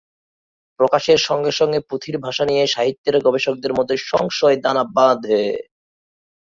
প্রকাশের সঙ্গে সঙ্গে পুঁথির ভাষা নিয়ে সাহিত্যের গবেষকদের মধ্যে সংশয় দানা বাঁধে।